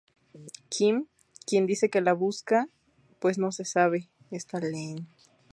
Kim, quien dice que la busca pues no sabe dónde está Lane.